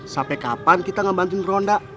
sampai kapan kita gak bantuin ronda